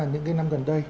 những năm gần đây